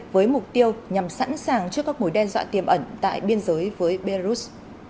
với mục tiêu nhằm sẵn sàng trước các mối đe dọa tiềm ẩn tại biên giới với belarus